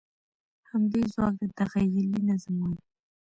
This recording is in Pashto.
همدې ځواک ته تخیلي نظم وایي.